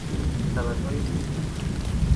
سبدهای چوبی